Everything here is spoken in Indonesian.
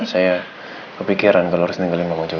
saya kepikiran kalau harus tinggalin kamu jauh jauh